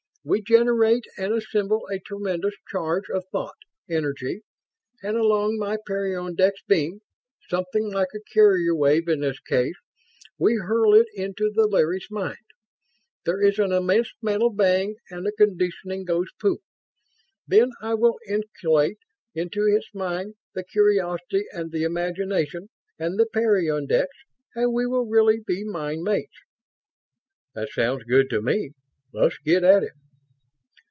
We generate and assemble a tremendous charge of thought energy, and along my peyondix beam something like a carrier wave in this case we hurl it into the Larry's mind. There is an immense mental bang and the conditioning goes poof. Then I will inculcate into its mind the curiosity and the imagination and the peyondix and we will really be mind mates." "That sounds good to me. Let's get at it."